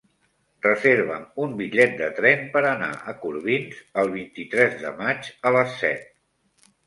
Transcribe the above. Reserva'm un bitllet de tren per anar a Corbins el vint-i-tres de maig a les set.